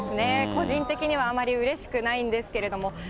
個人的にはあまりうれしくないんですけれども。